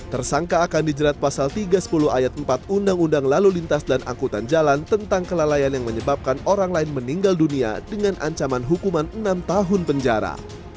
tersangka akan dijerat pasal tiga sepuluh ayat empat undang undang lalu lintas dan angkutan jalan tentang kelalaian yang menyebabkan orang lain meninggal dunia dengan ancaman hukuman enam tahun penjara